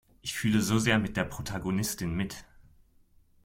Ich fühle so sehr mit der Protagonistin mit.